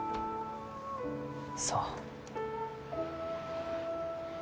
そう。